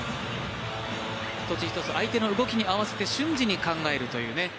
一つ一つ、相手の動きに合わせて瞬時に考えるというね